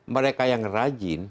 mereka yang rajin